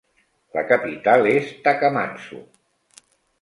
La capital és Takamatsu.